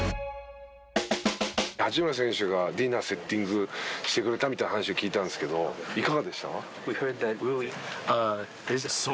八村選手がディナーセッティングしてくれたみたいな話を聞いたんですけどいかがでした？